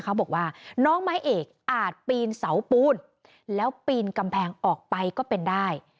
เขาบอกว่าน้องไม้เอกอาจปีนเสาปูนแล้วปีนกำแพงออกไปก็เป็นได้